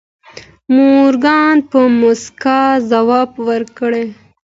مورګان په موسکا ځواب ورکړ.